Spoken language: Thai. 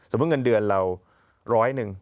สมมุติเงินเดือนเรา๑๐๐นึง